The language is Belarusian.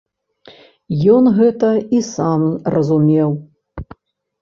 Ён гэта і сам разумеў.